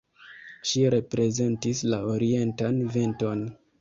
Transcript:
Ŝi reprezentis la orientan venton.